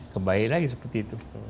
kebaik lagi seperti itu